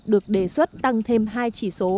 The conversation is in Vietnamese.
được đề xuất tăng thêm hai chỉ số